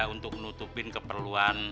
untuk menutupin keperluan